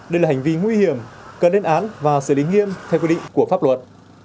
đây là hành vi nguy hiểm cần đến án và xử lý nghiêm theo quy định của pháp luật